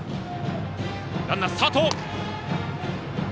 ランナースタート。